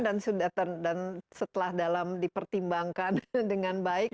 dan sudah dan setelah dalam dipertimbangkan dengan baik